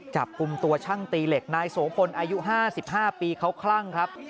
จับกลุ่มตัวช่างตีเหล็กนายโสพลอายุ๕๕ปีเขาคลั่งครับ